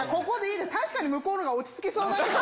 確かに、向こうのほうが落ち着きそうだけど。